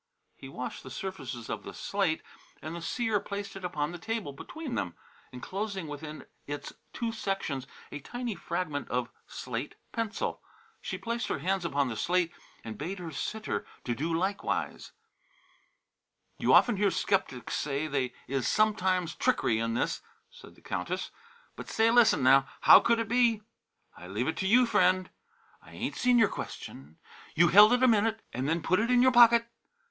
He washed the surfaces of the slate and the seer placed it upon the table between them, enclosing within its two sections a tiny fragment of slate pencil. She placed her hands upon the slate and bade her sitter do likewise. "You often hear skeptics say they is sometimes trickery in this," said the Countess, "but say, listen now, how could it be? I leave it to you, friend. I ain't seen your question; you held it a minute and then put it in your pocket.